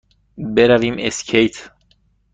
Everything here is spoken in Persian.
برویم اسکیت؟